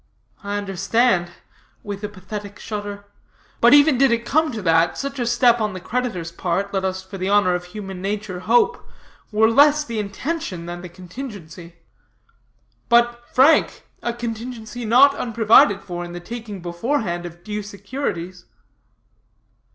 "I understand," with a pathetic shudder; "but even did it come to that, such a step on the creditor's part, let us, for the honor of human nature, hope, were less the intention than the contingency." "But, Frank, a contingency not unprovided for in the taking beforehand of due securities."